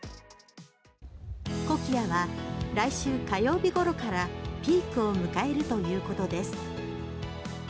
コキアは来週火曜日ごろからピークを迎えるということです。